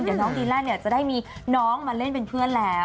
เดี๋ยวน้องดีแลนด์เนี่ยจะได้มีน้องมาเล่นเป็นเพื่อนแล้ว